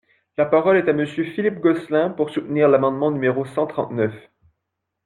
La parole est à Monsieur Philippe Gosselin, pour soutenir l’amendement numéro cent trente-neuf.